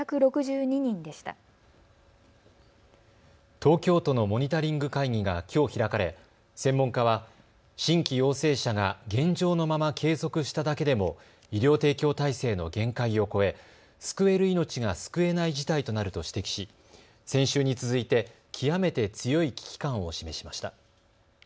東京都のモニタリング会議がきょう開かれ専門家は新規陽性者が現状のまま継続しただけでも医療提供体制の限界を超え救える命が救えない事態となると指摘し先週に続いて極めて強い危機感を示しました。